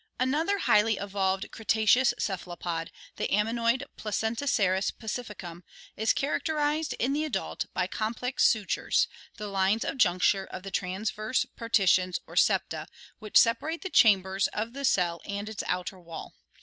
Another highly evolved Cretaceous cephalopod, the ammonoid Placenticeras pacificum, is characterized in the adult by complex sutures, the lines of juncture of the transverse partitions or septa which separate the chambers of the shell and its outer wall.